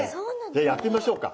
じゃあやってみましょうか。